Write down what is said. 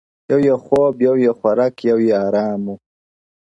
يو يې خوب يو يې خوراك يو يې آرام وو-